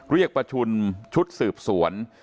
เรียกประชุมชุดสืบสวน